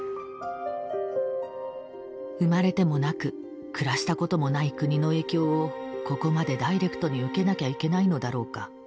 生まれてもなく暮らしたこともない国の影響をここまでダイレクトに受けなきゃいけないのだろうか。